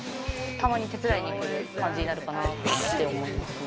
たまに手伝いに来る感じになるかなと思います。